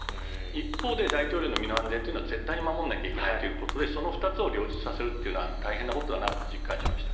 一方で大統領の身の安全は絶対に守らないといけないということでその２つを両立させるのは大変だなと実感しました。